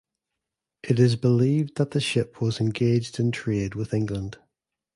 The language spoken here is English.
It is believed that the ship was engaged in trade with England.